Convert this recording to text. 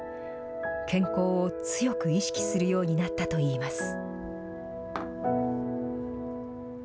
健康を強く意識するようになったといいます。